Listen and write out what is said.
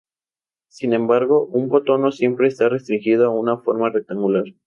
Sin embargo, un botón no siempre está restringido a una forma rectangular.